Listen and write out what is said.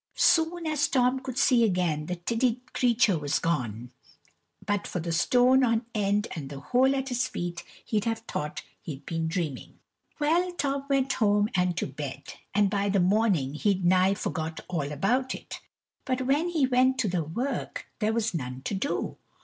Soon as Tom could see again the tiddy creature was gone, and but for the stone on end and the hole at his feet, he'd have thought he'd been dreaming. Well, Tom went home and to bed; and by the morning he'd nigh forgot all about it. But when he went to the work, there was none to do!